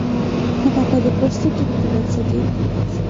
خټکی د پوستکي رطوبت ساتي.